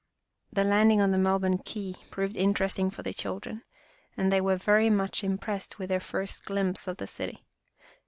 The landing on the Melbourne quay proved interesting for the children, and they were very much impressed with their first glimpse of the city.